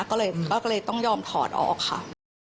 ก็เลยต้องยอมถอดออกค่ะ